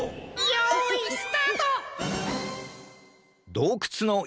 よいスタート！